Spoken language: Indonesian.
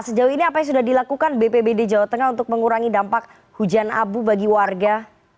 sejauh ini apa yang sudah dilakukan bpbd jawa tengah untuk mengurangi dampak hujan abu bagi warga